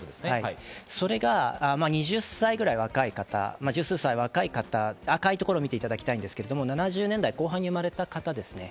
それが２０歳くらい若い方、そして赤いところを見ていただきたいんですが、７０年代後半に生まれた方ですね。